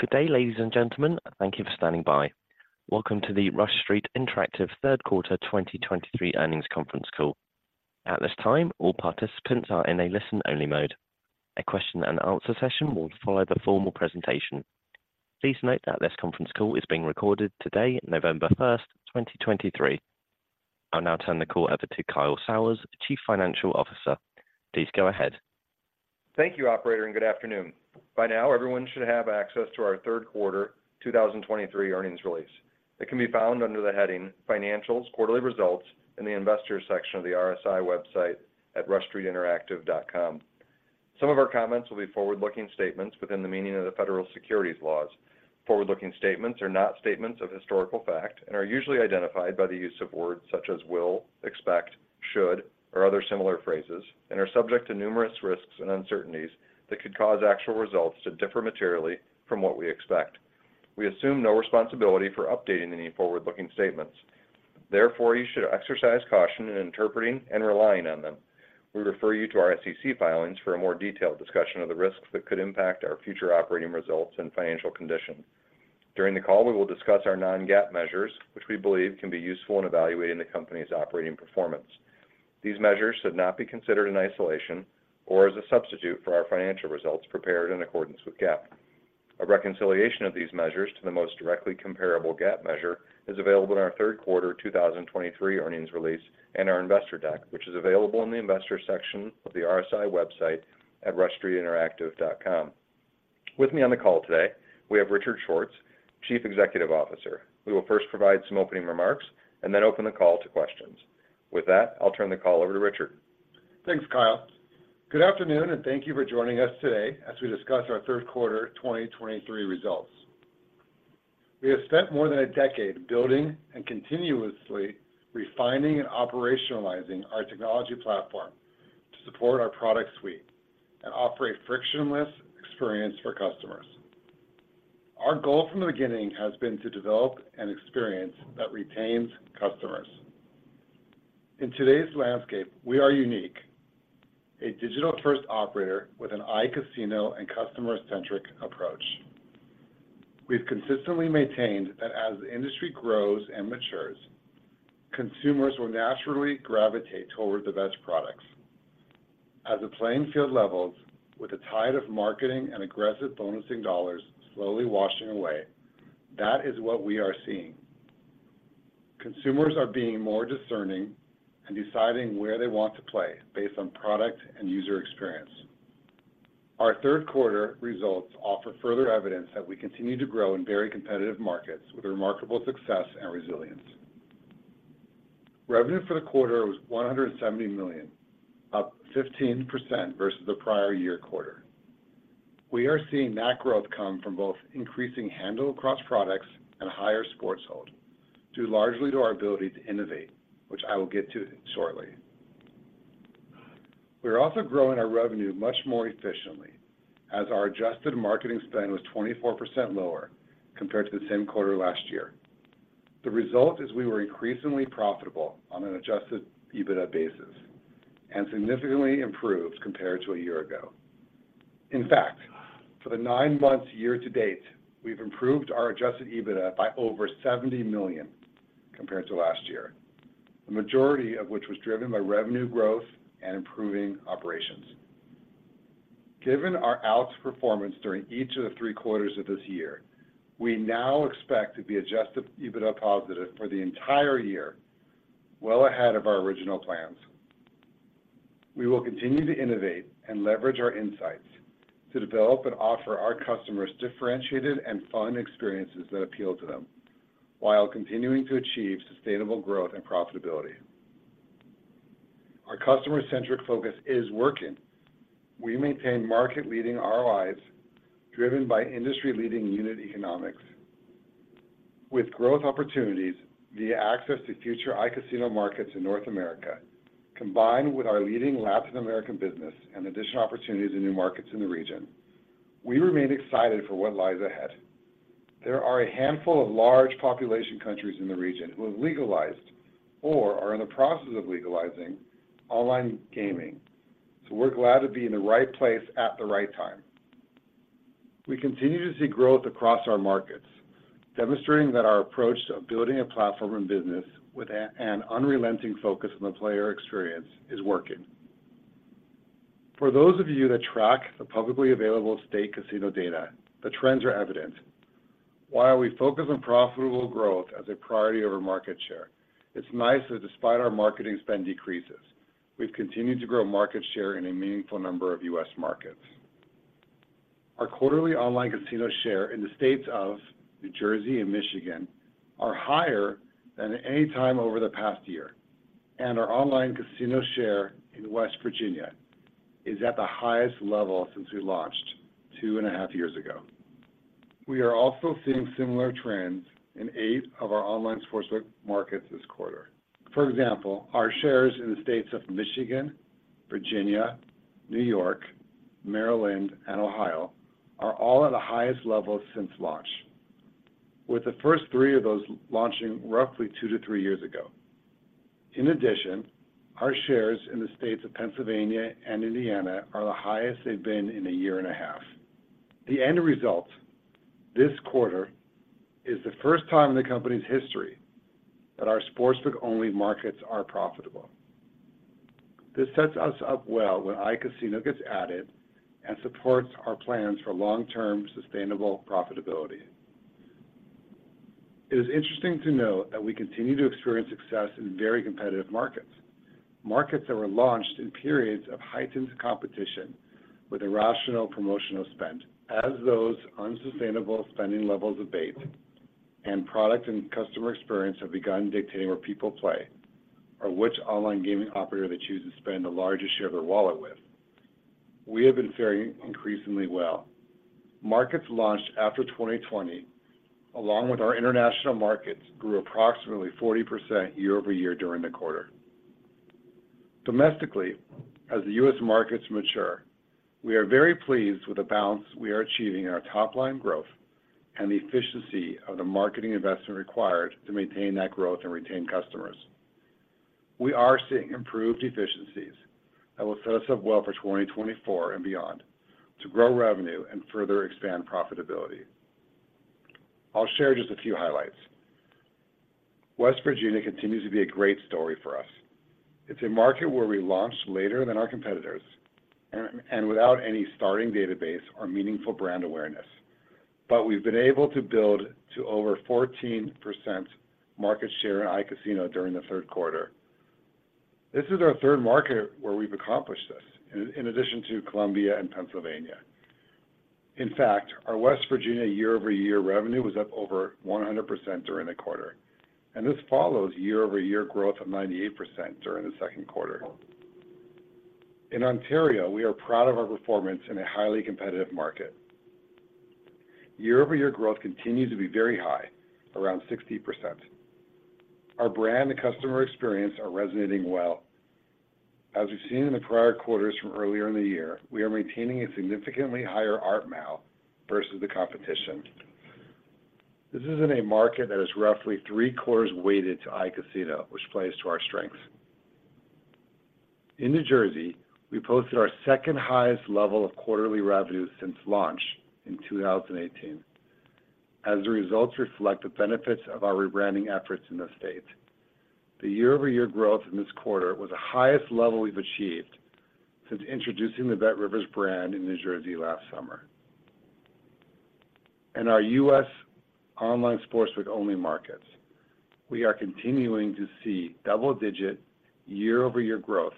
Good day, ladies and gentlemen. Thank you for standing by. Welcome to the Rush Street Interactive third quarter 2023 earnings conference call. At this time, all participants are in a listen-only mode. A question-and-answer session will follow the formal presentation. Please note that this conference call is being recorded today, November 1st, 2023. I'll now turn the call over to Kyle Sauers, Chief Financial Officer. Please go ahead. Thank you, operator, and good afternoon. By now, everyone should have access to our third quarter 2023 earnings release. It can be found under the heading Financials: Quarterly Results, in the Investors section of the RSI website at rushstreetinteractive.com. Some of our comments will be forward-looking statements within the meaning of the federal securities laws. Forward-looking statements are not statements of historical fact and are usually identified by the use of words such as will, expect, should, or other similar phrases, and are subject to numerous risks and uncertainties that could cause actual results to differ materially from what we expect. We assume no responsibility for updating any forward-looking statements. Therefore, you should exercise caution in interpreting and relying on them. We refer you to our SEC filings for a more detailed discussion of the risks that could impact our future operating results and financial condition. During the call, we will discuss our non-GAAP measures, which we believe can be useful in evaluating the company's operating performance. These measures should not be considered in isolation or as a substitute for our financial results prepared in accordance with GAAP. A reconciliation of these measures to the most directly comparable GAAP measure is available in our third quarter 2023 earnings release and our investor deck, which is available in the Investors section of the RSI website at rushstreetinteractive.com. With me on the call today, we have Richard Schwartz, Chief Executive Officer, who will first provide some opening remarks and then open the call to questions. With that, I'll turn the call over to Richard. Thanks, Kyle. Good afternoon, and thank you for joining us today as we discuss our third quarter 2023 results. We have spent more than a decade building and continuously refining and operationalizing our technology platform to support our product suite and offer a frictionless experience for customers. Our goal from the beginning has been to develop an experience that retains customers. In today's landscape, we are unique, a digital-first operator with an iCasino and customer-centric approach. We've consistently maintained that as the industry grows and matures, consumers will naturally gravitate toward the best products. As the playing field levels with the tide of marketing and aggressive bonusing dollars slowly washing away, that is what we are seeing. Consumers are being more discerning and deciding where they want to play based on product and user experience. Our third quarter results offer further evidence that we continue to grow in very competitive markets with remarkable success and resilience. Revenue for the quarter was $170 million, up 15% versus the prior year quarter. We are seeing that growth come from both increasing handle across products and higher sports hold, due largely to our ability to innovate, which I will get to shortly. We are also growing our revenue much more efficiently as our adjusted marketing spend was 24% lower compared to the same quarter last year. The result is we were increasingly profitable on an Adjusted EBITDA basis and significantly improved compared to a year ago. In fact, for the nine months year-to-date, we've improved our Adjusted EBITDA by over $70 million compared to last year, the majority of which was driven by revenue growth and improving operations. Given our outperformance during each of the three quarters of this year, we now expect to be Adjusted EBITDA positive for the entire year, well ahead of our original plans. We will continue to innovate and leverage our insights to develop and offer our customers differentiated and fun experiences that appeal to them while continuing to achieve sustainable growth and profitability. Our customer-centric focus is working. We maintain market-leading ROIs, driven by industry-leading unit economics. With growth opportunities via access to future iCasino markets in North America, combined with our leading Latin American business and additional opportunities in new markets in the region, we remain excited for what lies ahead. There are a handful of large population countries in the region who have legalized or are in the process of legalizing online gaming, so we're glad to be in the right place at the right time. We continue to see growth across our markets, demonstrating that our approach to building a platform and business with an unrelenting focus on the player experience is working. For those of you that track the publicly available state casino data, the trends are evident. While we focus on profitable growth as a priority over market share, it's nice that despite our marketing spend decreases, we've continued to grow market share in a meaningful number of U.S. markets. Our quarterly online casino share in the states of New Jersey and Michigan are higher than any time over the past year, and our online casino share in West Virginia is at the highest level since we launched two and a half years ago. We are also seeing similar trends in eight of our online sports markets this quarter. For example, our shares in the states of Michigan, Virginia, New York, Maryland, and Ohio are all at the highest levels since launch. With the first three of those launching roughly two-three years ago. In addition, our shares in the states of Pennsylvania and Indiana are the highest they've been in a year and a half. The end result, this quarter, is the first time in the company's history that our sportsbook-only markets are profitable. This sets us up well when iCasino gets added and supports our plans for long-term, sustainable profitability. It is interesting to note that we continue to experience success in very competitive markets. Markets that were launched in periods of heightened competition with irrational promotional spend, as those unsustainable spending levels have abated and product and customer experience have begun dictating where people play, or which online gaming operator they choose to spend the largest share of their wallet with. We have been faring increasingly well. Markets launched after 2020, along with our international markets, grew approximately 40% year-over-year during the quarter. Domestically, as the U.S. markets mature, we are very pleased with the balance we are achieving in our top-line growth and the efficiency of the marketing investment required to maintain that growth and retain customers. We are seeing improved efficiencies that will set us up well for 2024 and beyond to grow revenue and further expand profitability. I'll share just a few highlights. West Virginia continues to be a great story for us. It's a market where we launched later than our competitors and without any starting database or meaningful brand awareness. But we've been able to build to over 14% market share in iCasino during the third quarter. This is our third market where we've accomplished this, in addition to Colombia and Pennsylvania. In fact, our West Virginia year-over-year revenue was up over 100% during the quarter, and this follows year-over-year growth of 98% during the second quarter. In Ontario, we are proud of our performance in a highly competitive market. Year-over-year growth continues to be very high, around 60%. Our brand and customer experience are resonating well. As we've seen in the prior quarters from earlier in the year, we are maintaining a significantly higher ARPMAU versus the competition. This is in a market that is roughly three-quarters weighted to iCasino, which plays to our strengths. In New Jersey, we posted our second-highest level of quarterly revenue since launch in 2018, as the results reflect the benefits of our rebranding efforts in the state. The year-over-year growth in this quarter was the highest level we've achieved since introducing the BetRivers brand in New Jersey last summer. In our U.S. online sportsbook-only markets, we are continuing to see double-digit year-over-year growth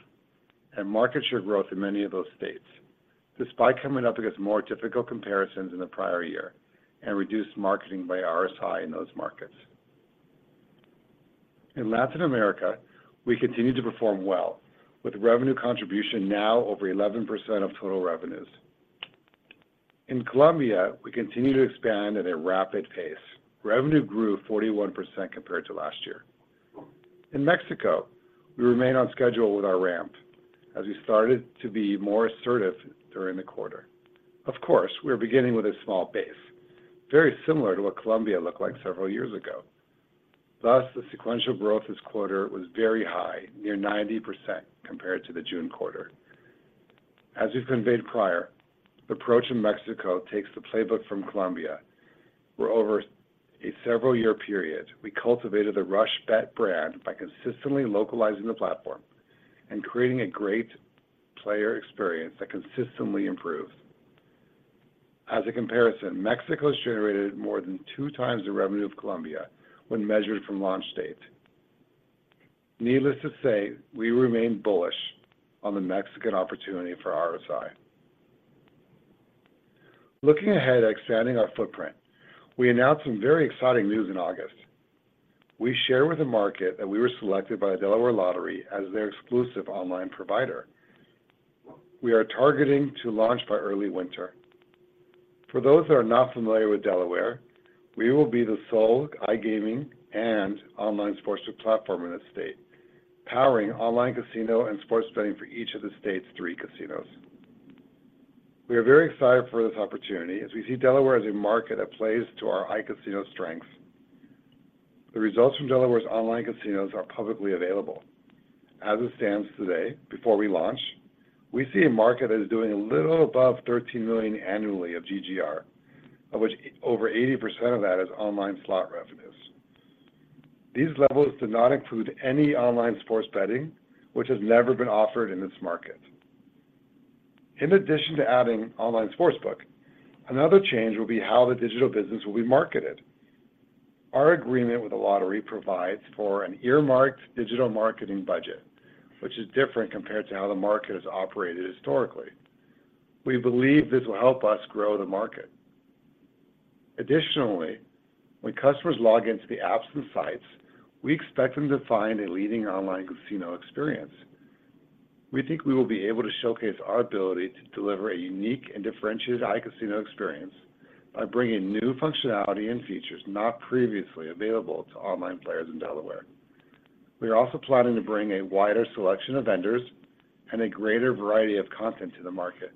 and market share growth in many of those states, despite coming up against more difficult comparisons in the prior year and reduced marketing by RSI in those markets. In Latin America, we continue to perform well, with revenue contribution now over 11% of total revenues. In Colombia, we continue to expand at a rapid pace. Revenue grew 41% compared to last year. In Mexico, we remain on schedule with our ramp, as we started to be more assertive during the quarter. Of course, we are beginning with a small base, very similar to what Colombia looked like several years ago. Thus, the sequential growth this quarter was very high, near 90% compared to the June quarter. As we've conveyed prior, the approach in Mexico takes the playbook from Colombia, where over a several-year period, we cultivated a RushBet brand by consistently localizing the platform and creating a great player experience that consistently improves. As a comparison, Mexico has generated more than two times the revenue of Colombia when measured from launch date. Needless to say, we remain bullish on the Mexican opportunity for RSI. Looking ahead at expanding our footprint, we announced some very exciting news in August. We shared with the market that we were selected by the Delaware Lottery as their exclusive online provider. We are targeting to launch by early winter. For those that are not familiar with Delaware, we will be the sole iGaming and online sportsbook platform in the state, powering online casino and sports betting for each of the state's three casinos. We are very excited for this opportunity, as we see Delaware as a market that plays to our iCasino strengths. The results from Delaware's online casinos are publicly available. As it stands today, before we launch, we see a market that is doing a little above $13 million annually of GGR, of which over 80% of that is online slot revenues. These levels do not include any online sports betting, which has never been offered in this market. In addition to adding online sportsbook, another change will be how the digital business will be marketed. Our agreement with the lottery provides for an earmarked digital marketing budget, which is different compared to how the market has operated historically. We believe this will help us grow the market. Additionally, when customers log into the apps and sites, we expect them to find a leading online casino experience. We think we will be able to showcase our ability to deliver a unique and differentiated iCasino experience by bringing new functionality and features not previously available to online players in Delaware. We are also planning to bring a wider selection of vendors and a greater variety of content to the market...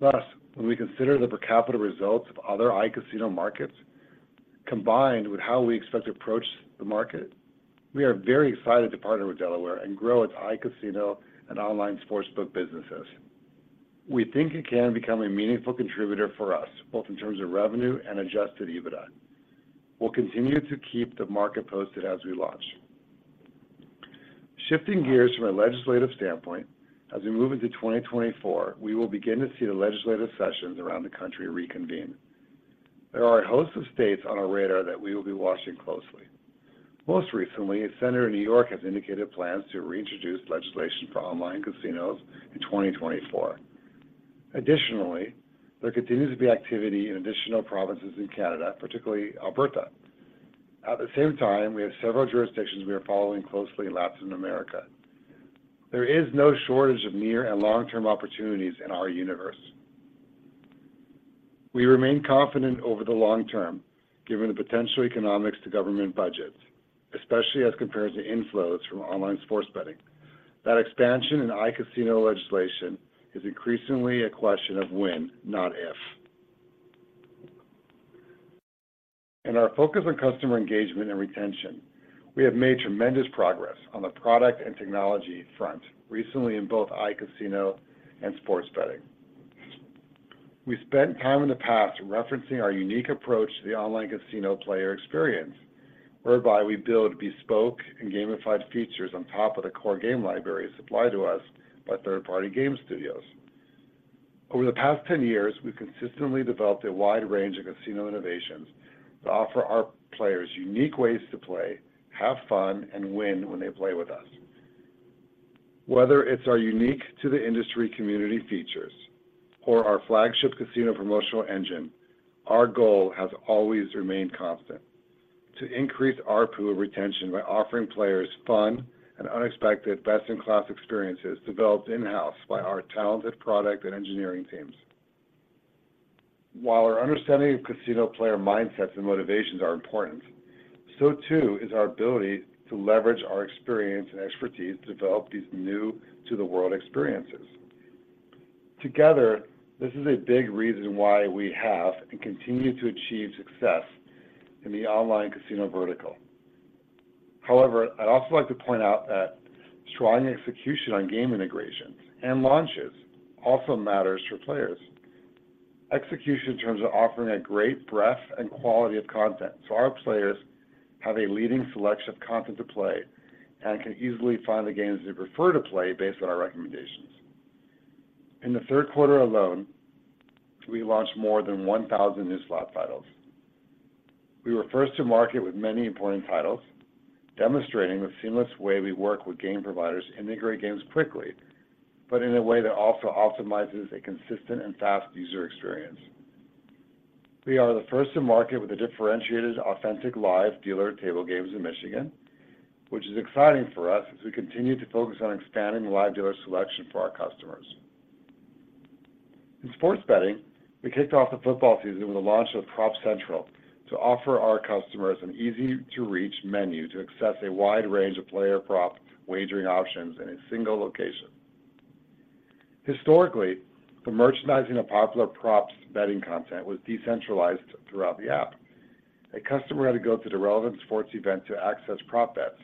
Thus, when we consider the per capita results of other iCasino markets, combined with how we expect to approach the market, we are very excited to partner with Delaware and grow its iCasino and online sportsbook businesses. We think it can become a meaningful contributor for us, both in terms of revenue and Adjusted EBITDA. We'll continue to keep the market posted as we launch. Shifting gears from a legislative standpoint, as we move into 2024, we will begin to see the legislative sessions around the country reconvene. There are a host of states on our radar that we will be watching closely. Most recently, a senator in New York has indicated plans to reintroduce legislation for online casinos in 2024. Additionally, there continues to be activity in additional provinces in Canada, particularly Alberta. At the same time, we have several jurisdictions we are following closely in Latin America. There is no shortage of near and long-term opportunities in our universe. We remain confident over the long term, given the potential economics to government budgets, especially as compared to inflows from online sports betting, that expansion in iCasino legislation is increasingly a question of when, not if. In our focus on customer engagement and retention, we have made tremendous progress on the product and technology front, recently in both iCasino and sports betting. We spent time in the past referencing our unique approach to the online casino player experience, whereby we build bespoke and gamified features on top of the core game library supplied to us by third-party game studios. Over the past 10 years, we've consistently developed a wide range of casino innovations that offer our players unique ways to play, have fun, and win when they play with us. Whether it's our unique-to-the-industry community features or our flagship casino promotional engine, our goal has always remained constant: to increase our pool of retention by offering players fun and unexpected best-in-class experiences developed in-house by our talented product and engineering teams. While our understanding of casino player mindsets and motivations are important, so too is our ability to leverage our experience and expertise to develop these new-to-the-world experiences. Together, this is a big reason why we have and continue to achieve success in the online casino vertical. However, I'd also like to point out that strong execution on game integrations and launches also matters for players. Execution in terms of offering a great breadth and quality of content, so our players have a leading selection of content to play and can easily find the games they prefer to play based on our recommendations. In the third quarter alone, we launched more than 1,000 new slot titles. We were first to market with many important titles, demonstrating the seamless way we work with game providers to integrate games quickly, but in a way that also optimizes a consistent and fast user experience. We are the first to market with a differentiated, authentic live dealer table games in Michigan, which is exciting for us as we continue to focus on expanding the live dealer selection for our customers. In sports betting, we kicked off the football season with the launch of Prop Central to offer our customers an easy-to-reach menu to access a wide range of player prop wagering options in a single location. Historically, the merchandising of popular props betting content was decentralized throughout the app. A customer had to go to the relevant sports event to access prop bets.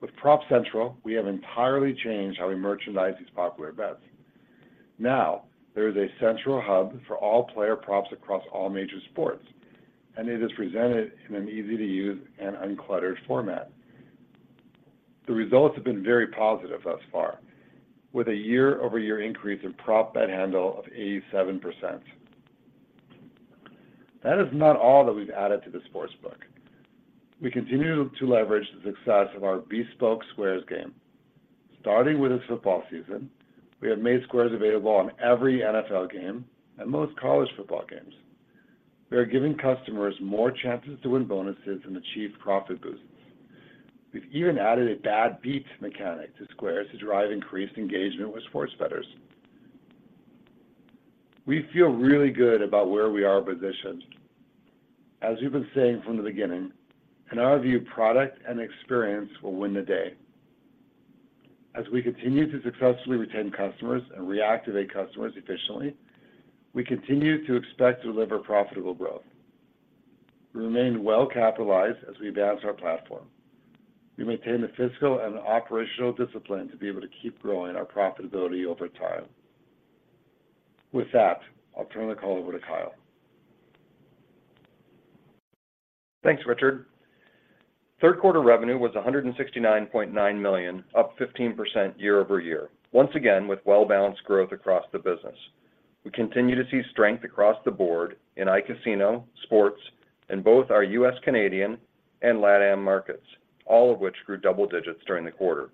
With Prop Central, we have entirely changed how we merchandise these popular bets. Now, there is a central hub for all player props across all major sports, and it is presented in an easy-to-use and uncluttered format. The results have been very positive thus far, with a year-over-year increase in prop bet handle of 87%. That is not all that we've added to the sportsbook. We continue to leverage the success of our bespoke Squares game. Starting with the football season, we have made Squares available on every NFL game and most college football games. We are giving customers more chances to win bonuses and achieve profit boosts. We've even added a bad beats mechanic to Squares to drive increased engagement with sports bettors. We feel really good about where we are positioned. As we've been saying from the beginning, in our view, product and experience will win the day. As we continue to successfully retain customers and reactivate customers efficiently, we continue to expect to deliver profitable growth. We remain well-capitalized as we advance our platform. We maintain the fiscal and operational discipline to be able to keep growing our profitability over time. With that, I'll turn the call over to Kyle. Thanks, Richard. Third quarter revenue was $169.9 million, up 15% year-over-year. Once again, with well-balanced growth across the business. We continue to see strength across the board in iCasino, sports, and both our U.S., Canadian, and LatAm markets, all of which grew double-digits during the quarter.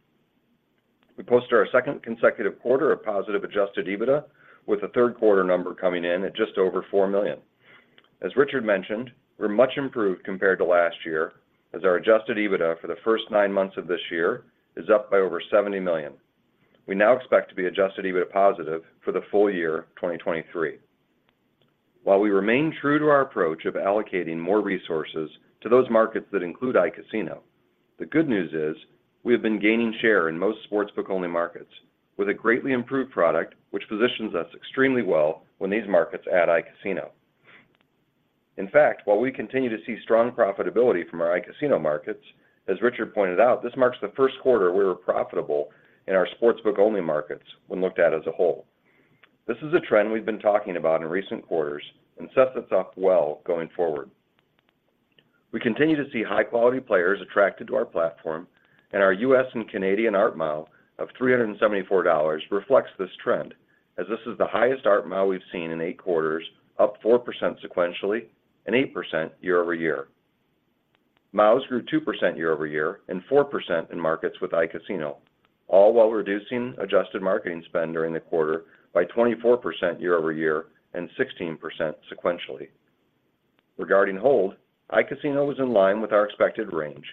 We posted our second consecutive quarter of positive Adjusted EBITDA, with a third quarter number coming in at just over $4 million. As Richard mentioned, we're much improved compared to last year, as our Adjusted EBITDA for the first nine months of this year is up by over $70 million. We now expect to be Adjusted EBITDA positive for the full year 2023.... While we remain true to our approach of allocating more resources to those markets that include iCasino, the good news is we have been gaining share in most sportsbook-only markets with a greatly improved product, which positions us extremely well when these markets add iCasino. In fact, while we continue to see strong profitability from our iCasino markets, as Richard pointed out, this marks the first quarter we were profitable in our sportsbook-only markets when looked at as a whole. This is a trend we've been talking about in recent quarters and sets us up well going forward. We continue to see high-quality players attracted to our platform, and our U.S. and Canadian ARPMAU of $374 reflects this trend, as this is the highest ARPMAU we've seen in eight quarters, up 4% sequentially and 8% year-over-year. MAUs grew 2% year-over-year and 4% in markets with iCasino, all while reducing adjusted marketing spend during the quarter by 24% year-over-year and 16% sequentially. Regarding hold, iCasino was in line with our expected range.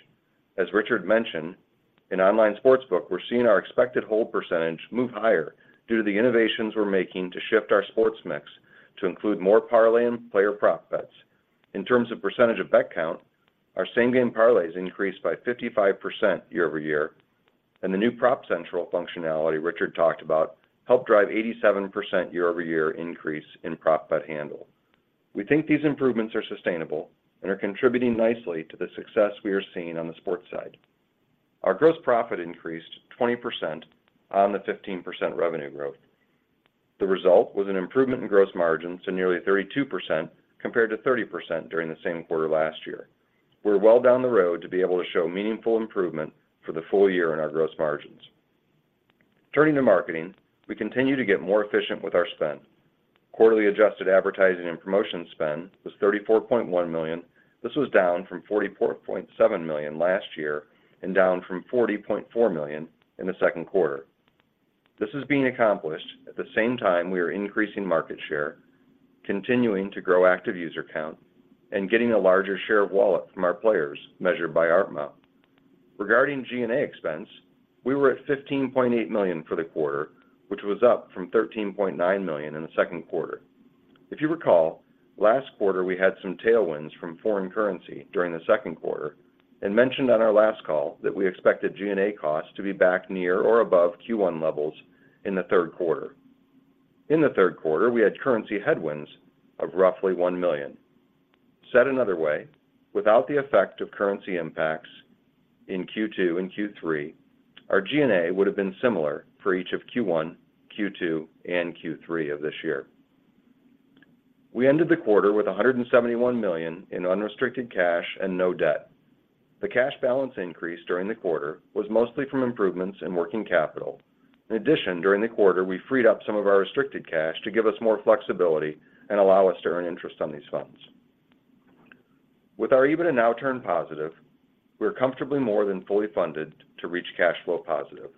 As Richard mentioned, in online sportsbook, we're seeing our expected hold percentage move higher due to the innovations we're making to shift our sports mix to include more parlay and player prop bets. In terms of percentage of bet count, our same-game parlays increased by 55% year-over-year, and the new Prop Central functionality Richard talked about helped drive 87% year-over-year increase in prop bet handle. We think these improvements are sustainable and are contributing nicely to the success we are seeing on the sports side. Our gross profit increased 20% on the 15% revenue growth. The result was an improvement in gross margins to nearly 32%, compared to 30% during the same quarter last year. We're well down the road to be able to show meaningful improvement for the full year in our gross margins. Turning to marketing, we continue to get more efficient with our spend. Quarterly adjusted advertising and promotion spend was $34.1 million. This was down from $44.7 million last year and down from $40.4 million in the second quarter. This is being accomplished at the same time we are increasing market share, continuing to grow active user count, and getting a larger share of wallet from our players, measured by ARPMAU. Regarding G&A expense, we were at $15.8 million for the quarter, which was up from $13.9 million in the second quarter. If you recall, last quarter, we had some tailwinds from foreign currency during the second quarter and mentioned on our last call that we expected G&A costs to be back near or above Q1 levels in the third quarter. In the third quarter, we had currency headwinds of roughly $1 million. Said another way, without the effect of currency impacts in Q2 and Q3, our G&A would have been similar for each of Q1, Q2, and Q3 of this year. We ended the quarter with $171 million in unrestricted cash and no debt. The cash balance increase during the quarter was mostly from improvements in working capital. In addition, during the quarter, we freed up some of our restricted cash to give us more flexibility and allow us to earn interest on these funds. With our EBITDA now turning positive, we're comfortably more than fully funded to reach cash flow positive.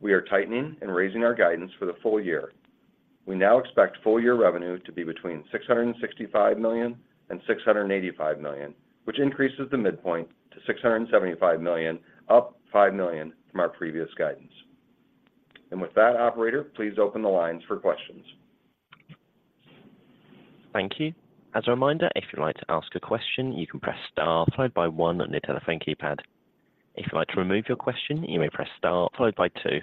We are tightening and raising our guidance for the full year. We now expect full year revenue to be between $665 million and $685 million, which increases the midpoint to $675 million, up $5 million from our previous guidance. With that, operator, please open the lines for questions. Thank you. As a reminder, if you'd like to ask a question, you can press star followed by one on your telephone keypad. If you'd like to remove your question, you may press star followed by two.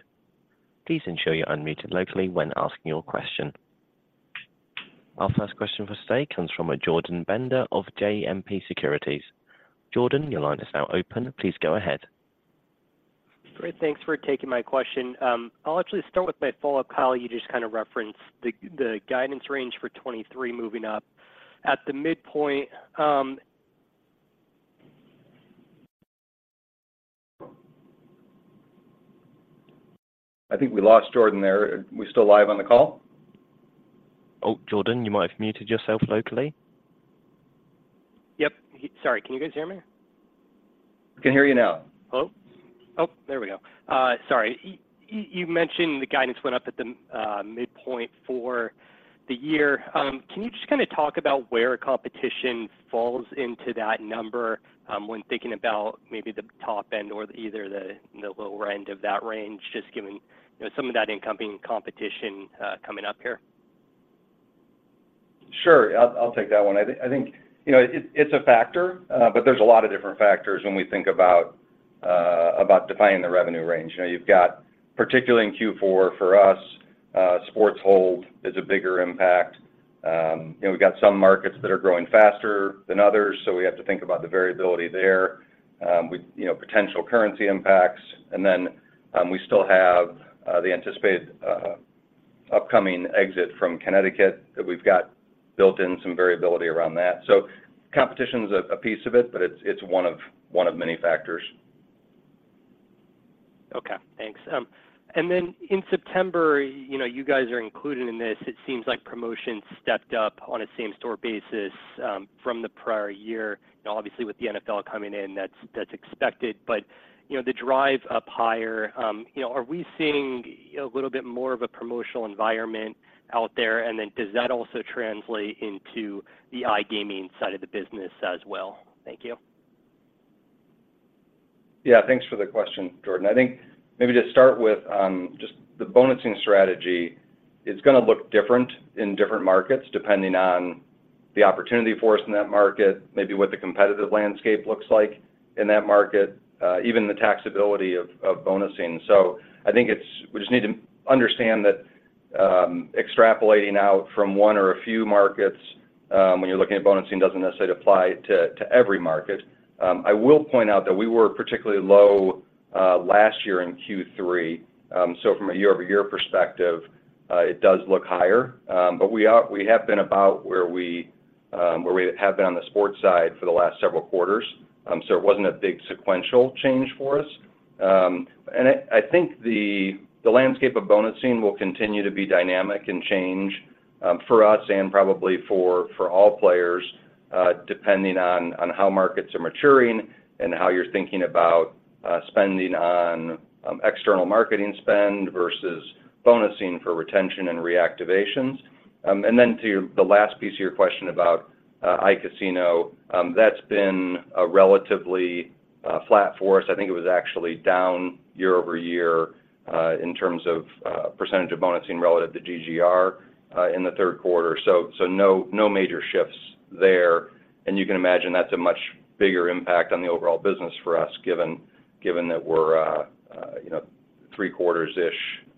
Please ensure you're unmuted locally when asking your question. Our first question for today comes from Jordan Bender of JMP Securities. Jordan, your line is now open. Please go ahead. Great. Thanks for taking my question. I'll actually start with my follow-up, Kyle. You just kind of referenced the, the guidance range for 2023 moving up. At the midpoint, I think we lost Jordan there. Are we still live on the call? Oh, Jordan, you might have muted yourself locally. Yep. Sorry, can you guys hear me? We can hear you now. Hello? Oh, there we go. Sorry. You mentioned the guidance went up at the midpoint for the year. Can you just kinda talk about where competition falls into that number, when thinking about maybe the top end or either the lower end of that range, just given, you know, some of that incoming competition coming up here? Sure. I'll take that one. I think, you know, it's a factor, but there's a lot of different factors when we think about defining the revenue range. You know, you've got, particularly in Q4 for us, sports hold is a bigger impact. You know, we've got some markets that are growing faster than others, so we have to think about the variability there, with, you know, potential currency impacts. And then, we still have the anticipated upcoming exit from Connecticut that we've got built in some variability around that. So competition is a piece of it, but it's one of many factors. Okay, thanks. And then in September, you know, you guys are included in this, it seems like promotion stepped up on a same-store basis, from the prior year, and obviously with the NFL coming in, that's, that's expected. But, you know, the drive up higher, you know, are we seeing a little bit more of a promotional environment out there? And then does that also translate into the iGaming side of the business as well? Thank you.... Yeah, thanks for the question, Jordan. I think maybe just start with, just the bonusing strategy is going to look different in different markets, depending on the opportunity for us in that market, maybe what the competitive landscape looks like in that market, even the taxability of, of bonusing. So I think it's. We just need to understand that, extrapolating out from one or a few markets, when you're looking at bonusing, doesn't necessarily apply to, to every market. I will point out that we were particularly low, last year in Q3. So from a year-over-year perspective, it does look higher. But we are. We have been about where we, where we have been on the sports side for the last several quarters. So it wasn't a big sequential change for us. I think the landscape of bonusing will continue to be dynamic and change for us and probably for all players, depending on how markets are maturing and how you're thinking about spending on external marketing spend versus bonusing for retention and reactivations. To your-- the last piece of your question about iCasino, that's been relatively flat for us. I think it was actually down year-over-year in terms of percentage of bonusing relative to GGR in the third quarter. No major shifts there. You can imagine that's a much bigger impact on the overall business for us, given that we're, you know, three-quarters-ish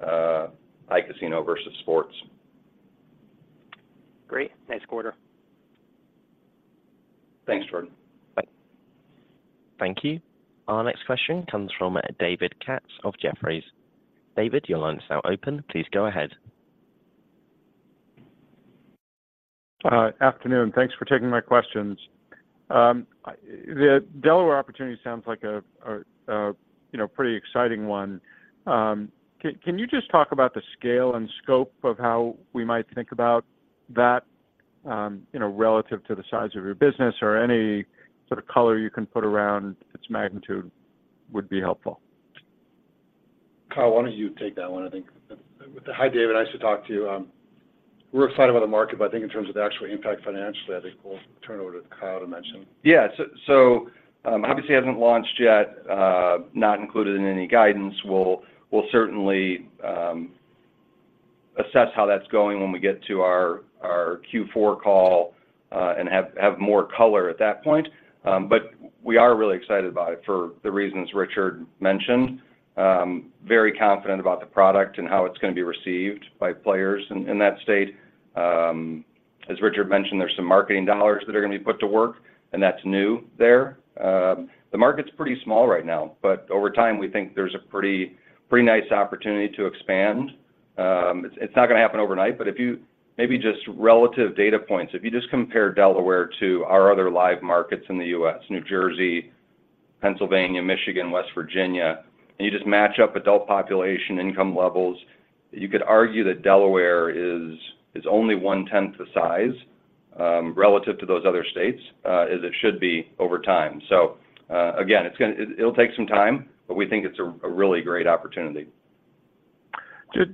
iCasino versus sports. Great. Nice quarter. Thanks, Jordan. Bye. Thank you. Our next question comes from David Katz of Jefferies. David, your line is now open. Please go ahead. Afternoon. Thanks for taking my questions. The Delaware opportunity sounds like a you know pretty exciting one. Can you just talk about the scale and scope of how we might think about that, you know, relative to the size of your business, or any sort of color you can put around its magnitude would be helpful? Kyle, why don't you take that one, I think? Hi, David, nice to talk to you. We're excited about the market, but I think in terms of the actual impact financially, I think we'll turn it over to Kyle to mention. Yeah. So, obviously, it hasn't launched yet, not included in any guidance. We'll certainly assess how that's going when we get to our Q4 call, and have more color at that point. But we are really excited about it for the reasons Richard mentioned. Very confident about the product and how it's going to be received by players in that state. As Richard mentioned, there's some marketing dollars that are going to be put to work, and that's new there. The market's pretty small right now, but over time, we think there's a pretty nice opportunity to expand. It's not going to happen overnight, but if you maybe just relative data points, if you just compare Delaware to our other live markets in the U.S., New Jersey, Pennsylvania, Michigan, West Virginia, and you just match up adult population, income levels, you could argue that Delaware is only 1/10 the size relative to those other states as it should be over time. So again, it'll take some time, but we think it's a really great opportunity.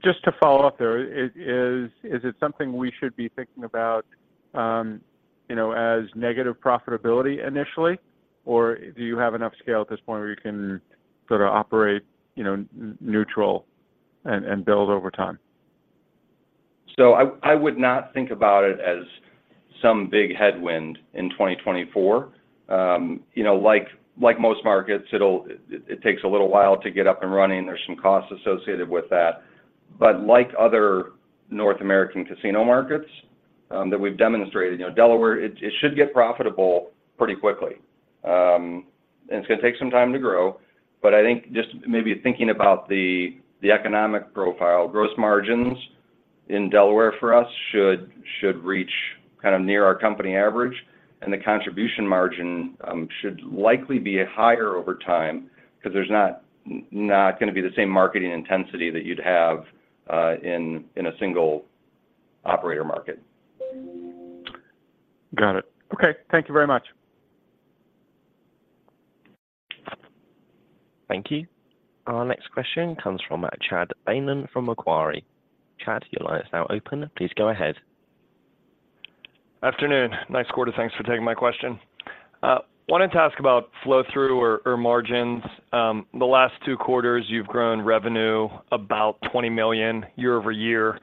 Just to follow up there, is it something we should be thinking about, you know, as negative profitability initially, or do you have enough scale at this point where you can sort of operate, you know, neutral and build over time? So I would not think about it as some big headwind in 2024. You know, like, like most markets, it'll it takes a little while to get up and running. There's some costs associated with that. But like other North American casino markets, that we've demonstrated, you know, Delaware, it should get profitable pretty quickly. And it's going to take some time to grow, but I think just maybe thinking about the economic profile, gross margins in Delaware for us should reach kind of near our company average, and the contribution margin should likely be higher over time because there's not going to be the same marketing intensity that you'd have in a single operator market. Got it. Okay. Thank you very much. Thank you. Our next question comes from Chad Beynon from Macquarie. Chad, your line is now open. Please go ahead. Afternoon. Nice quarter. Thanks for taking my question. Wanted to ask about flow-through or, or margins. The last two quarters, you've grown revenue about $20 million year-over-year,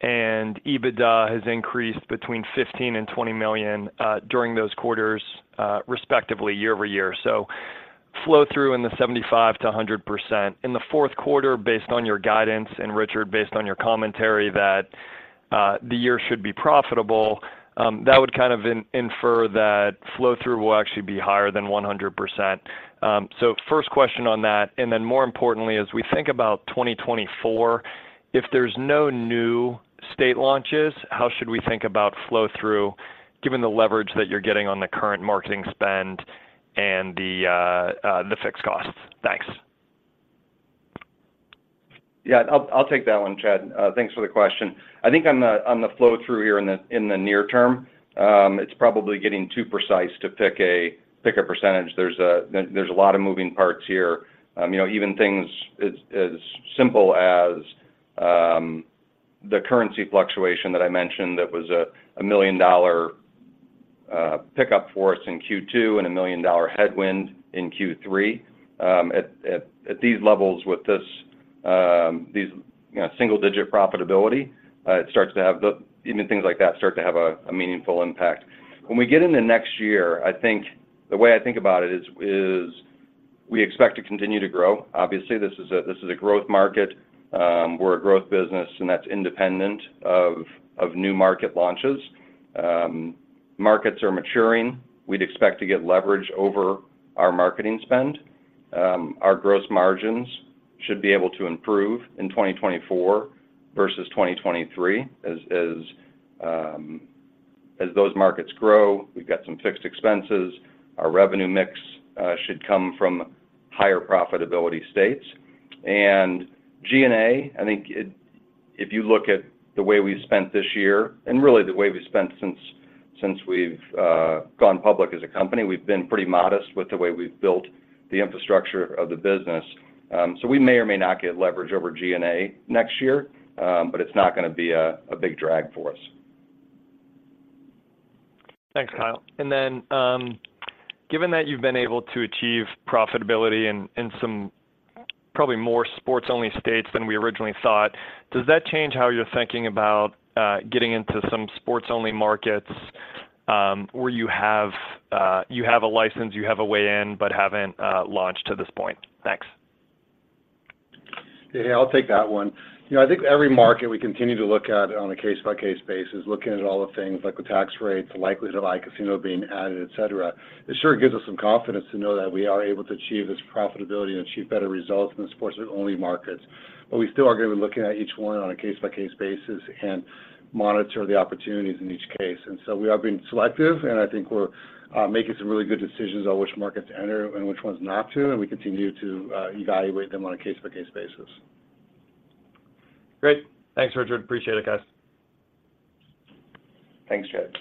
and EBITDA has increased between $15 million-$20 million during those quarters, respectively, year-over-year. So flow-through in the 75%-100%. In the fourth quarter, based on your guidance, and Richard, based on your commentary that the year should be profitable, that would kind of infer that flow-through will actually be higher than 100%. First question on that, and then more importantly, as we think about 2024, if there's no new state launches, how should we think about flow-through, given the leverage that you're getting on the current marketing spend and the fixed costs? Thanks. Yeah, I'll take that one, Chad. Thanks for the question. I think on the flow-through here in the near term, it's probably getting too precise to pick a percentage. There's a lot of moving parts here. You know, even things as simple as the currency fluctuation that I mentioned, that was a $1 million pick up for us in Q2 and a $1 million headwind in Q3. At these levels with these, you know, single-digit profitability, it starts to have even things like that start to have a meaningful impact. When we get into next year, I think the way I think about it is we expect to continue to grow. Obviously, this is a growth market, we're a growth business, and that's independent of new market launches. Markets are maturing. We'd expect to get leverage over our marketing spend. Our gross margins should be able to improve in 2024 versus 2023 as those markets grow, we've got some fixed expenses. Our revenue mix should come from higher profitability states. And G&A, I think if you look at the way we spent this year, and really the way we've spent since we've gone public as a company, we've been pretty modest with the way we've built the infrastructure of the business. So we may or may not get leverage over G&A next year, but it's not gonna be a big drag for us. Thanks, Kyle. And then, given that you've been able to achieve profitability in some probably more sportsbook-only states than we originally thought, does that change how you're thinking about getting into some sportsbook-only markets, where you have a license, you have a way in, but haven't launched to this point? Thanks. Yeah, I'll take that one. You know, I think every market we continue to look at on a case-by-case basis, looking at all the things like the tax rates, the likelihood of casino being added, et cetera. It sure gives us some confidence to know that we are able to achieve this profitability and achieve better results in the sportsbook-only markets. But we still are gonna be looking at each one on a case-by-case basis and monitor the opportunities in each case. And so we are being selective, and I think we're making some really good decisions on which markets to enter and which ones not to, and we continue to evaluate them on a case-by-case basis. Great. Thanks, Richard. Appreciate it, guys. Thanks, Chad.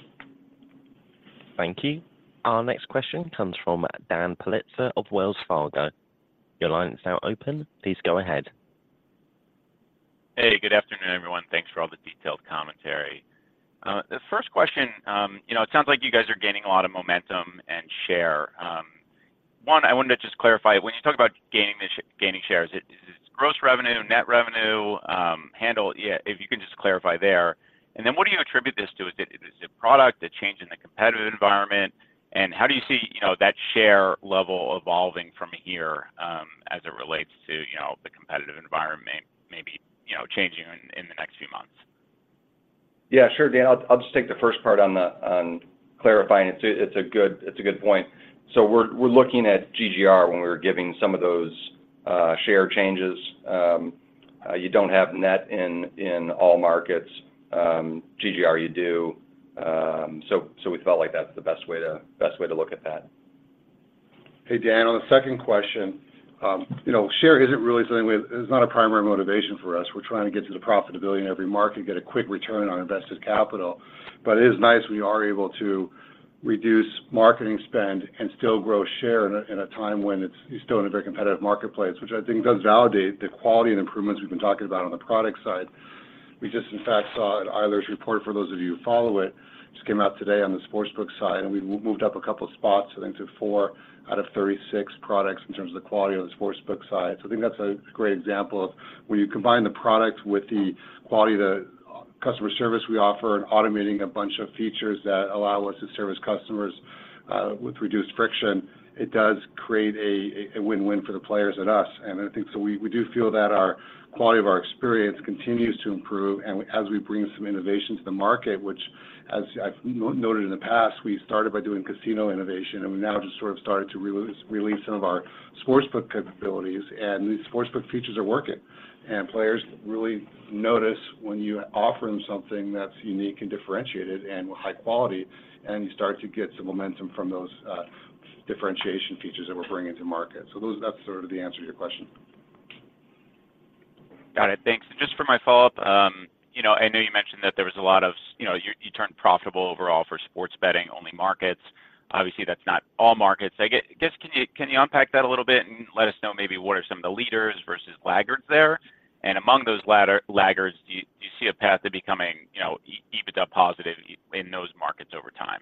Thank you. Our next question comes from Dan Politzer of Wells Fargo. Your line is now open. Please go ahead. Hey, good afternoon, everyone. Thanks for all the detailed commentary. The first question, you know, it sounds like you guys are gaining a lot of momentum and share. One, I wanted to just clarify, when you talk about gaining shares, is it, is it gross revenue, net revenue, handle? Yeah, if you can just clarify there. And then, what do you attribute this to? Is it product, a change in the competitive environment? And how do you see, you know, that share level evolving from here, as it relates to, you know, the competitive environment, maybe changing in the next few months? Yeah, sure, Dan. I'll just take the first part on clarifying. It's a good point. So we're looking at GGR when we were giving some of those share changes. You don't have net in all markets GGR, you do. So we felt like that's the best way to look at that. Hey, Dan, on the second question, you know, share isn't really something we—it's not a primary motivation for us. We're trying to get to the profitability in every market, get a quick return on invested capital. But it is nice we are able to reduce marketing spend and still grow share in a, in a time when it's—you're still in a very competitive marketplace, which I think does validate the quality and improvements we've been talking about on the product side. We just, in fact, saw Eilers report, for those of you who follow it, just came out today on the sportsbook side, and we moved up a couple of spots, I think, to four out of 36 products in terms of the quality on the sportsbook side. So I think that's a great example of when you combine the product with the quality of the customer service we offer and automating a bunch of features that allow us to service customers with reduced friction, it does create a win-win for the players and us. And I think so we do feel that our quality of our experience continues to improve and as we bring some innovation to the market, which, as I've noted in the past, we started by doing casino innovation, and we now just sort of started to release some of our sportsbook capabilities. And these sportsbook features are working. And players really notice when you offer them something that's unique and differentiated and high quality, and you start to get some momentum from those differentiation features that we're bringing to market. So that's sort of the answer to your question. Got it. Thanks. Just for my follow-up, you know, I know you mentioned that there was a lot of, you know, you turned profitable overall for sports betting-only markets. Obviously, that's not all markets. I guess can you unpack that a little bit and let us know maybe what are some of the leaders versus laggards there? And among those laggards, do you see a path to becoming, you know, EBITDA positive in those markets over time?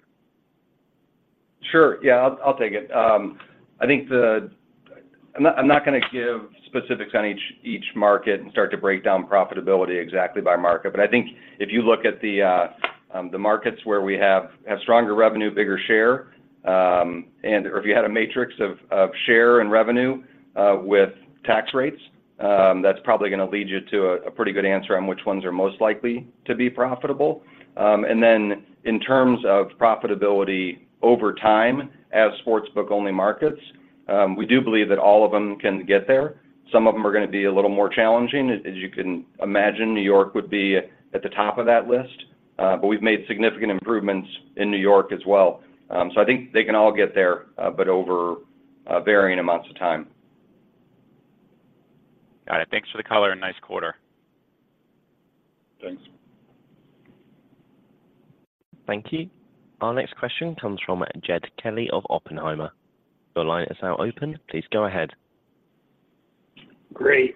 Sure. Yeah, I'll, I'll take it. I think I'm not, I'm not gonna give specifics on each, each market and start to break down profitability exactly by market. But I think if you look at the, the markets where we have, have stronger revenue, bigger share, and/or if you had a matrix of, of share and revenue, with tax rates, that's probably gonna lead you to a, a pretty good answer on which ones are most likely to be profitable. And then in terms of profitability over time as sportsbook-only markets, we do believe that all of them can get there. Some of them are gonna be a little more challenging. As you can imagine, New York would be at the top of that list, but we've made significant improvements in New York as well. So I think they can all get there, but over varying amounts of time. Got it. Thanks for the color, and nice quarter. Thanks. Thank you. Our next question comes from Jed Kelly of Oppenheimer. Your line is now open. Please go ahead.... Great.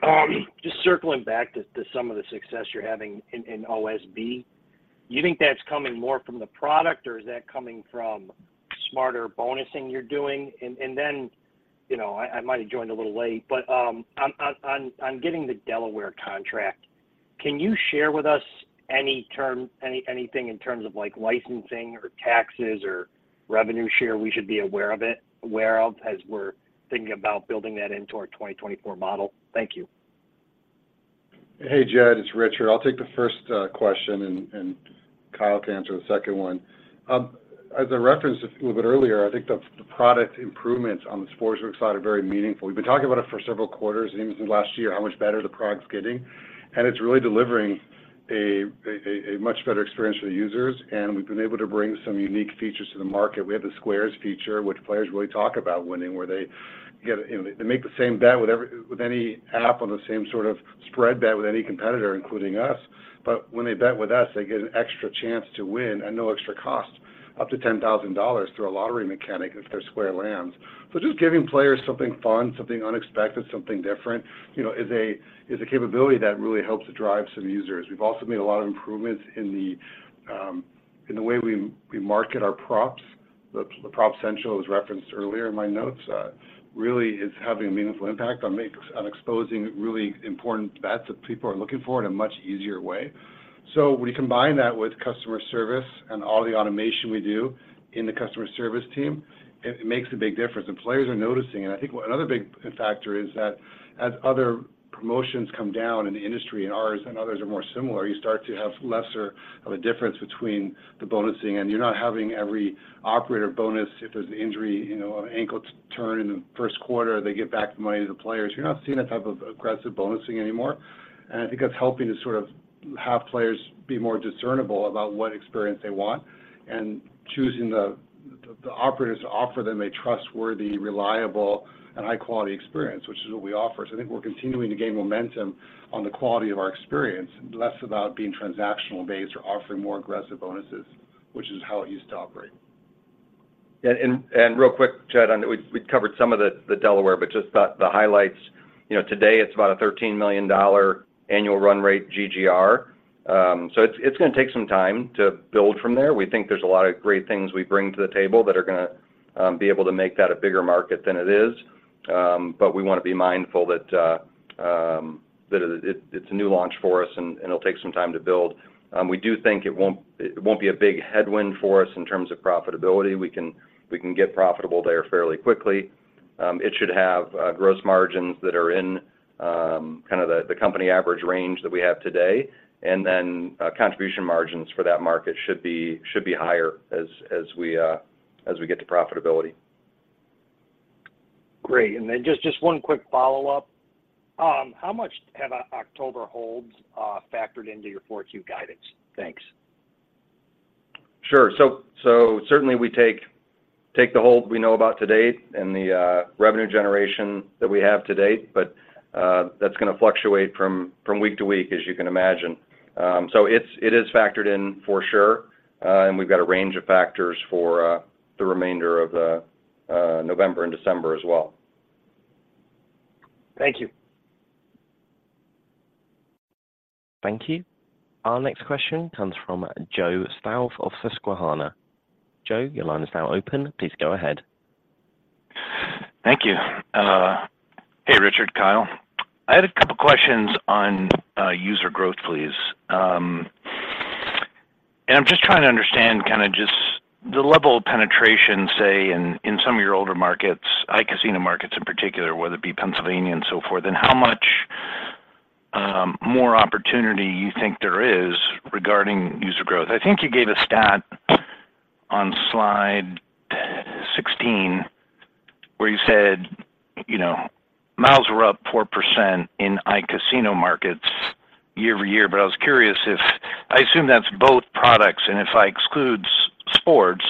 Just circling back to some of the success you're having in OSB, you think that's coming more from the product, or is that coming from smarter bonusing you're doing? And then, you know, I might have joined a little late, but on getting the Delaware contract, can you share with us anything in terms of like licensing or taxes or revenue share we should be aware of as we're thinking about building that into our 2024 model? Thank you. Hey, Jed, it's Richard. I'll take the first question, and Kyle can answer the second one. As I referenced a little bit earlier, I think the product improvements on the sports book side are very meaningful. We've been talking about it for several quarters, even since last year, how much better the product's getting, and it's really delivering a much better experience for the users, and we've been able to bring some unique features to the market. We have the Squares feature, which players really talk about winning, where they get—you know, they make the same bet with any app on the same sort of spread bet with any competitor, including us. But when they bet with us, they get an extra chance to win at no extra cost, up to $10,000 through a lottery mechanic if their square lands. So just giving players something fun, something unexpected, something different, you know, is a capability that really helps to drive some users. We've also made a lot of improvements in the way we market our props. The Prop Central, as referenced earlier in my notes, really is having a meaningful impact on exposing really important bets that people are looking for in a much easier way. So when you combine that with customer service and all the automation we do in the customer service team, it makes a big difference, and players are noticing. I think another big factor is that as other promotions come down in the industry, and ours and others are more similar, you start to have lesser of a difference between the bonusing, and you're not having every operator bonus if there's an injury, you know, an ankle turn in the first quarter, they give back the money to the players. You're not seeing that type of aggressive bonusing anymore, and I think that's helping to sort of have players be more discernible about what experience they want and choosing the operators to offer them a trustworthy, reliable, and high-quality experience, which is what we offer. So I think we're continuing to gain momentum on the quality of our experience, less about being transactional based or offering more aggressive bonuses, which is how it used to operate. Yeah, and real quick, Jed, on the... We've covered some of the Delaware, but just the highlights. You know, today, it's about a $13 million annual run rate GGR. So it's gonna take some time to build from there. We think there's a lot of great things we bring to the table that are gonna be able to make that a bigger market than it is. But we wanna be mindful that it's a new launch for us, and it'll take some time to build. We do think it won't be a big headwind for us in terms of profitability. We can get profitable there fairly quickly. It should have gross margins that are in kind of the company average range that we have today, and then contribution margins for that market should be higher as we get to profitability. Great. And then just one quick follow-up. How much have October holds factored into your 4Q guidance? Thanks. Sure. So certainly we take the hold we know about to date and the revenue generation that we have to date, but that's gonna fluctuate from week to week, as you can imagine. So it is factored in for sure, and we've got a range of factors for the remainder of the November and December as well. Thank you. Thank you. Our next question comes from Joe Stauff of Susquehanna. Joe, your line is now open. Please go ahead. Thank you. Hey, Richard, Kyle. I had a couple questions on user growth, please. And I'm just trying to understand kind of just the level of penetration, say, in some of your older markets, iCasino markets in particular, whether it be Pennsylvania and so forth, and how much more opportunity you think there is regarding user growth. I think you gave a stat on slide 16, where you said, you know, MAUs were up 4% in iCasino markets year-over-year. But I was curious if... I assume that's both products, and if I exclude sports,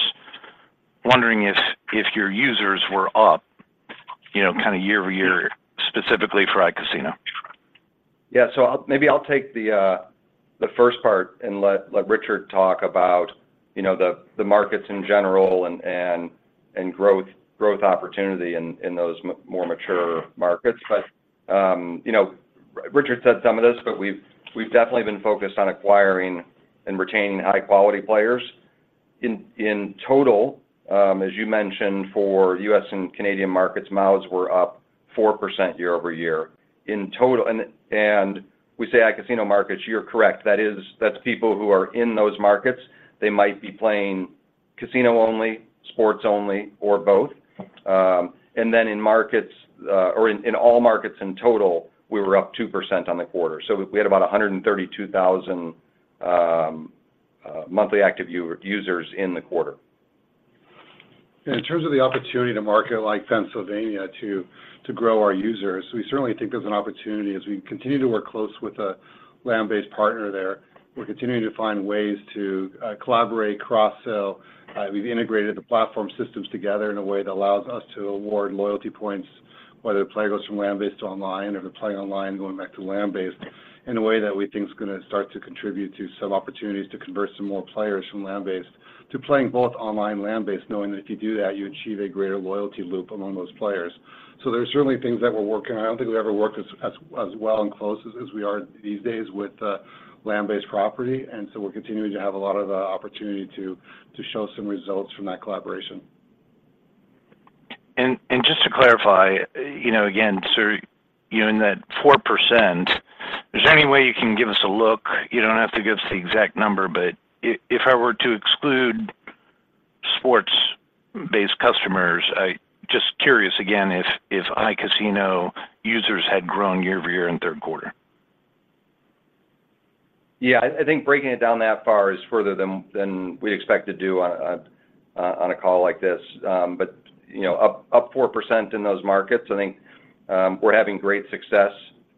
wondering if your users were up, you know, kind of year-over-year, specifically for iCasino. Yeah. So I'll maybe take the first part and let Richard talk about, you know, the markets in general and growth opportunity in those more mature markets. But you know, Richard said some of this, but we've definitely been focused on acquiring and retaining high-quality players. In total, as you mentioned, for U.S. and Canadian markets, MAUs were up 4% year-over-year. In total. And we say iCasino markets, you're correct. That is, that's people who are in those markets. They might be playing casino only, sports only, or both. And then in markets, or in all markets in total, we were up 2% on the quarter. So we had about 132,000 monthly active users in the quarter. In terms of the opportunity to market like Pennsylvania to grow our users, we certainly think there's an opportunity as we continue to work close with a land-based partner there. We're continuing to find ways to collaborate, cross-sell. We've integrated the platform systems together in a way that allows us to award loyalty points, whether the player goes from land-based to online or they're playing online, going back to land-based, in a way that we think is gonna start to contribute to some opportunities to convert some more players from land-based to playing both online and land-based, knowing that if you do that, you achieve a greater loyalty loop among those players. So there are certainly things that we're working on. I don't think we've ever worked as well and close as we are these days with land-based property, and so we're continuing to have a lot of opportunity to show some results from that collaboration. Just to clarify, you know, again, so, you know, in that 4%, is there any way you can give us a look? You don't have to give us the exact number, but if I were to exclude sports-based customers, I just curious again, if iCasino users had grown year-over-year in third quarter. Yeah. I think breaking it down that far is further than we expect to do on a call like this. But, you know, up 4% in those markets, I think, we're having great success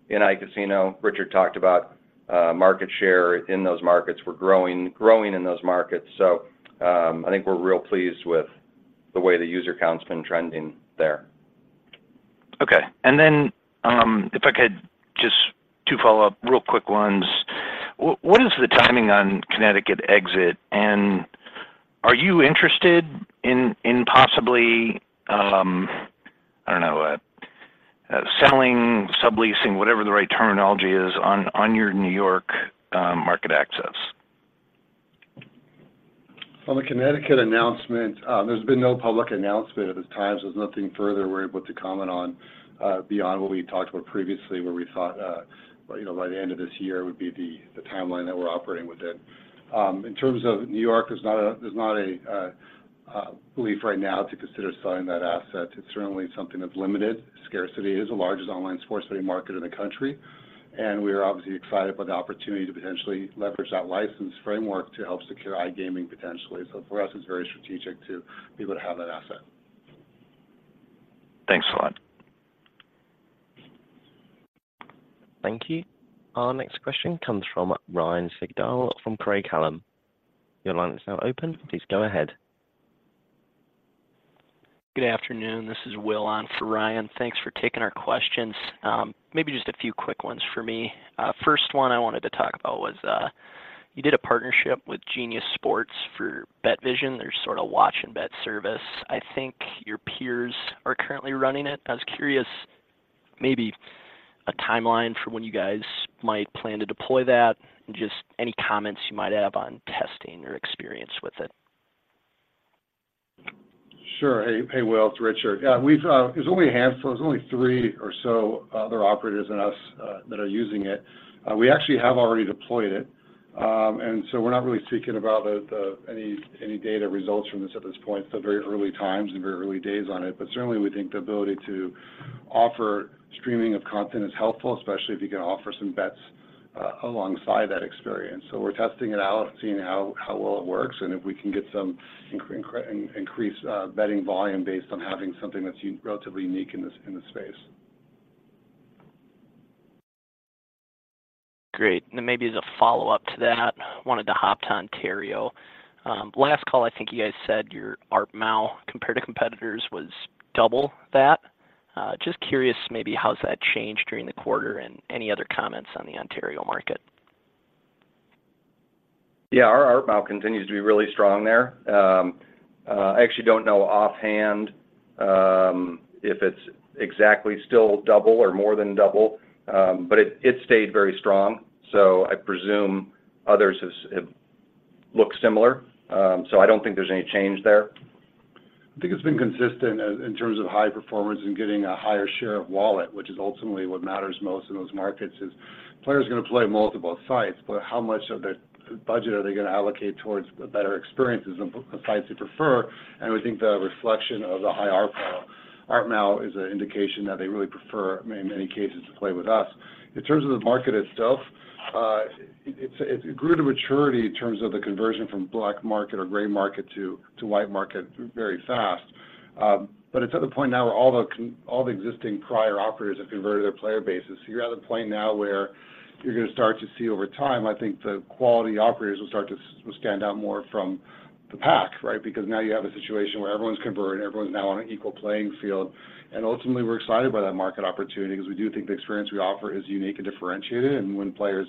in iCasino. Richard talked about market share in those markets. We're growing in those markets, so, I think we're real pleased with the way the user count's been trending there. Okay. And then, if I could just two follow-up, real quick ones. What is the timing on Connecticut exit, and are you interested in possibly, I don't know, selling, subleasing, whatever the right terminology is, on your New York market access? On the Connecticut announcement, there's been no public announcement of the times. There's nothing further we're able to comment on, beyond what we talked about previously, where we thought, you know, by the end of this year would be the timeline that we're operating within. In terms of New York, there's not a belief right now to consider selling that asset. It's certainly something that's limited. Scarcity is the largest online sports betting market in the country, and we are obviously excited about the opportunity to potentially leverage that license framework to help secure iGaming potentially. So for us, it's very strategic to be able to have that asset. Thanks a lot. Thank you. Our next question comes from Ryan Sigdahl from Craig-Hallum. Your line is now open. Please go ahead. Good afternoon. This is Will on for Ryan. Thanks for taking our questions. Maybe just a few quick ones for me. First one I wanted to talk about was, you did a partnership with Genius Sports for BetVision, their sort of watch and bet service. I think your peers are currently running it. I was curious, maybe a timeline for when you guys might plan to deploy that, and just any comments you might have on testing or experience with it. Sure. Hey, hey, Will, it's Richard. Yeah, we've... There's only a handful, there's only three or so other operators than us that are using it. We actually have already deployed it, and so we're not really speaking about the any data results from this at this point. So very early times and very early days on it. But certainly, we think the ability to offer streaming of content is helpful, especially if you can offer some bets alongside that experience. So we're testing it out and seeing how well it works, and if we can get some increase betting volume based on having something that's relatively unique in the space. Great. And then maybe as a follow-up to that, I wanted to hop to Ontario. Last call, I think you guys said your ARPMAU, compared to competitors, was double that. Just curious, maybe how's that changed during the quarter, and any other comments on the Ontario market? Yeah, our ARPMAU continues to be really strong there. I actually don't know offhand if it's exactly still double or more than double, but it stayed very strong, so I presume others have looked similar. So I don't think there's any change there. I think it's been consistent in terms of high performance and getting a higher share of wallet, which is ultimately what matters most in those markets: players are going to play multiple sites, but how much of their budget are they going to allocate towards the better experiences and the sites they prefer? And we think the reflection of the high ARPMAU is an indication that they really prefer, in many cases, to play with us. In terms of the market itself, it grew to maturity in terms of the conversion from black market or gray market to white market very fast. But it's at the point now where all the existing prior operators have converted their player bases. So you're at a point now where you're going to start to see over time, I think the quality operators will start to stand out more from the pack, right? Because now you have a situation where everyone's converted, everyone's now on an equal playing field, and ultimately, we're excited by that market opportunity because we do think the experience we offer is unique and differentiated, and when players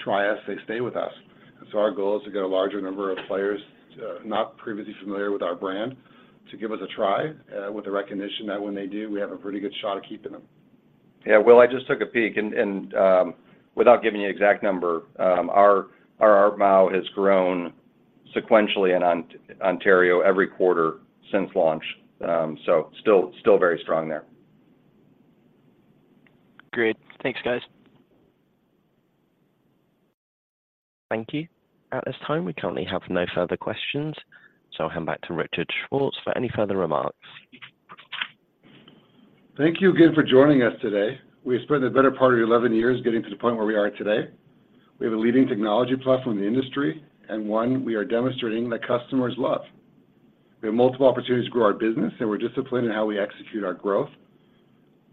try us, they stay with us. And so our goal is to get a larger number of players, not previously familiar with our brand, to give us a try, with the recognition that when they do, we have a pretty good shot at keeping them. Yeah. Well, I just took a peek and, without giving you an exact number, our ARPMAU has grown sequentially in Ontario every quarter since launch. So, still very strong there. Great. Thanks, guys. Thank you. At this time, we currently have no further questions, so I'll hand back to Richard Schwartz for any further remarks. Thank you again for joining us today. We've spent the better part of 11 years getting to the point where we are today. We have a leading technology platform in the industry, and one we are demonstrating that customers love. We have multiple opportunities to grow our business, and we're disciplined in how we execute our growth.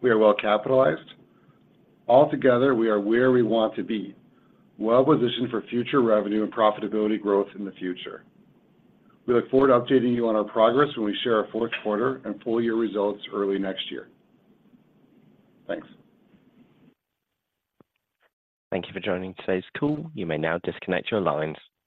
We are well capitalized. Altogether, we are where we want to be, well positioned for future revenue and profitability growth in the future. We look forward to updating you on our progress when we share our fourth quarter and full year results early next year. Thanks. Thank you for joining today's call. You may now disconnect your lines.